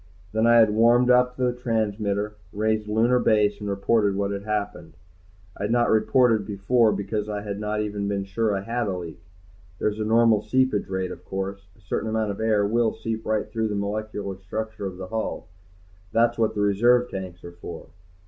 Then I had warmed up the transmitter, raised Lunar Base, and reported what had happened. I had not reported before because I had not even been sure I had a leak. There's a normal seepage rate, of course; a certain amount of air will seep right through the molecular structure of the hull. That's what the reserve tanks are for.